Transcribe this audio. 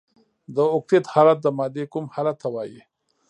د اوکتیت حالت د مادې کوم حال ته وايي؟